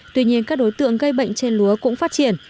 tuy nhiên các đối tượng gây bệnh trên lúa cũng phát triển